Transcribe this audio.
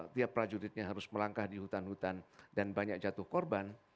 tiap prajuritnya harus melangkah di hutan hutan dan banyak jatuh korban